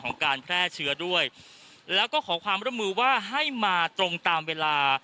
การแพร่เชื้อด้วยแล้วก็ขอความร่วมมือว่าให้มาตรงตามเวลา